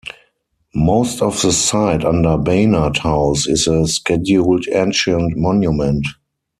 Most of the site under Baynard House is a Scheduled Ancient Monument.